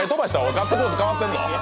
ガッツポーズ変わってんぞ。